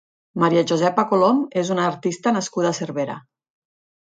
Maria Josepa Colom és una artista nascuda a Cervera.